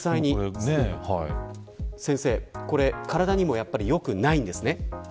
先生、体にも良くないんですね。